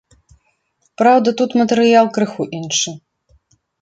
Праўда, тут матэрыял крыху іншы.